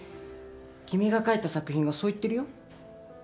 君が描いた作品がそう言ってるよ。